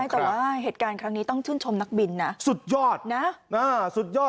แต่ว่าเหตุการณ์ครั้งนี้ต้องชื่นชมนักบินนะสุดยอดนะสุดยอด